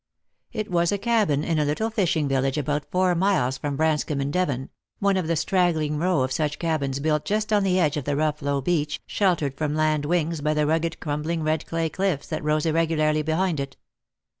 It was 'a cabin in a little fishing village^about four miles from Branscomb in Devon — one of a straggling row of such cabins built just on the edge of the rough low beach, sheltered from land winds by the rugged crumbling red clay cliffs that rose irregularly behind it.